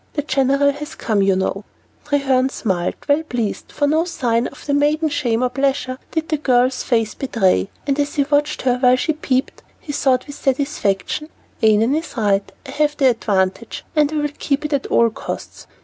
The general has come, you know?" Treherne smiled, well pleased, for no sign of maiden shame or pleasure did the girl's face betray, and as he watched her while she peeped, he thought with satisfaction, Annon is right, I have the advantage, and I'll keep it at all costs.